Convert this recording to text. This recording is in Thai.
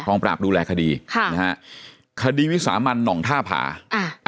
กองปราบดูแลคดีค่ะคดีวิสามาร์หน่องท่าผาอ่า